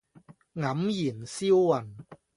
黯然銷魂